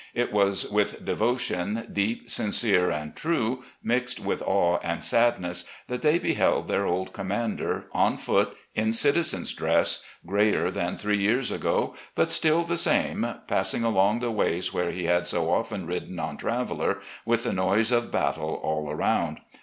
It was with devotion, deep, sincere, and true, mixed with awe and sadness, that they beheld their old commander, on foot, in citizen's dress, 290 RECOLLECTIONS OF GENERAL LEE grayer than three years ago, but still the same, passing along the ways where he had so often ridden on Traveller, with the noise of battle all around.